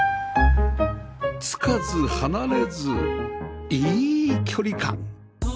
つかず離れずいい距離感